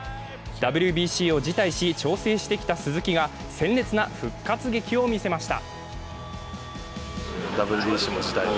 ＷＢＣを辞退し調整してきた鈴木が、鮮烈な復活劇を見せました。